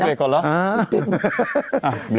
อ๋อเบกก่อนแล้ว